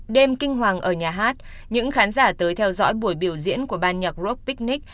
đêm kinh hoàng ở nhà hát những khán giả tới theo dõi buổi biểu diễn của ban nhạc groupicnik